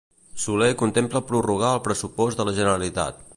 Soler contempla prorrogar el pressupost de la Generalitat.